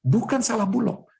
bukan salah bulog